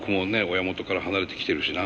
親元から離れてきてるしな。